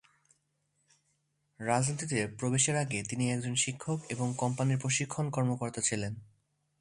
রাজনীতিতে প্রবেশের আগে তিনি একজন শিক্ষক এবং কোম্পানির প্রশিক্ষণ কর্মকর্তা ছিলেন।